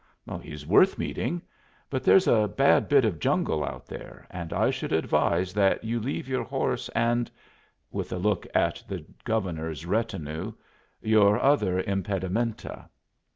"He is worth meeting. But there's a bad bit of jungle out there, and I should advise that you leave your horse and" with a look at the Governor's retinue "your other impedimenta."